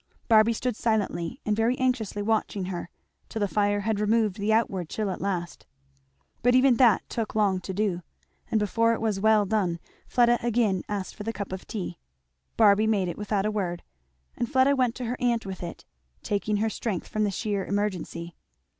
Barby stood silently and very anxiously watching her, till the fire had removed the outward chill at least. But even that took long to do, and before it was well done Fleda again asked for the cup of tea. Barby made it without a word, and Fleda went to her aunt with it, taking her strength from the sheer emergency.